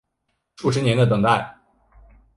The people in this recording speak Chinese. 数十年的等待